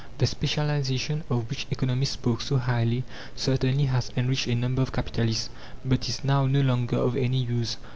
The specialization, of which economists spoke so highly, certainly has enriched a number of capitalists, but is now no longer of any use.